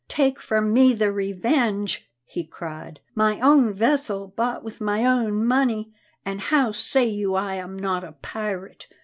"Take from me the Revenge!" he cried, "my own vessel, bought with my own money! And how say you I am not a pirate?